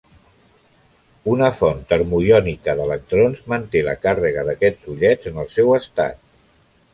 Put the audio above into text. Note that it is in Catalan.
Una font termoiònica d'electrons manté la càrrega d'aquests ullets en el seu estat.